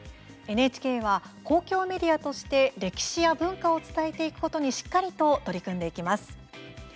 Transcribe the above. ＮＨＫは公共メディアとして歴史や文化を伝えていくことにしっかりと取り組んでいきます。